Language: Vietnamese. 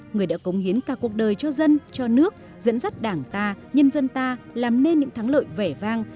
người đã cống hiến cả cuộc đời cho dân cho nước dẫn dắt đảng ta nhân dân ta làm nên những thắng lợi vẻ vang